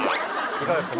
いかがですか？